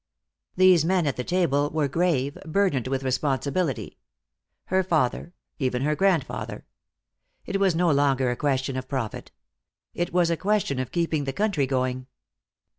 These men at the table were grave, burdened with responsibility. Her father. Even her grandfather. It was no longer a question of profit. It was a question of keeping the country going.